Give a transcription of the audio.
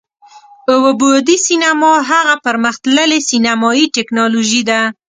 اووه بعدی سینما هغه پر مختللې سینمایي ټیکنالوژي ده،